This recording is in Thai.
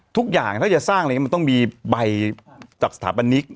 ทุกอย่างถ้าจะสร้างอะไรอย่างนี้มันต้องมีใบจากสถาบันนิก